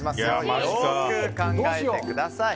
よく考えてください。